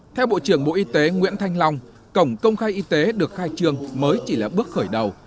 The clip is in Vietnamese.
theo bộ trưởng bộ y tế nguyễn thanh long cổng công khai y tế được khai trương mới chỉ là bước khởi đầu